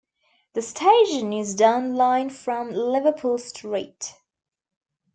The station is down line from Liverpool Street.